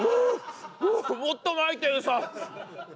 もっとまいて餌。